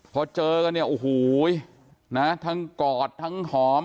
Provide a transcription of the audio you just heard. พอเจอกันเนี่ยโอ้โหนะทั้งกอดทั้งหอม